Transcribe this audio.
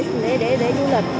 thì cũng muốn đến để du lịch